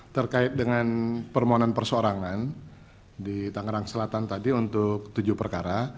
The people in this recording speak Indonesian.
terkait dengan permohonan persorangan di tangerang selatan tadi untuk tujuh perkara